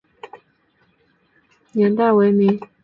迥澜风雨桥的历史年代为明。